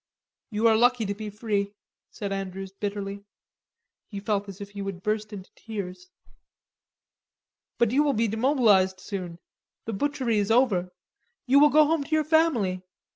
"You are lucky to be free," said Andrews bitterly. He felt as if he would burst into tears. "But you will be demobilized soon; the butchery is over. You will go home to your family.